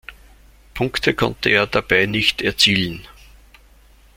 Punkte konnte er dabei nicht erzielen.